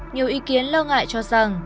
nhiều ý kiến lo ngại cho rằng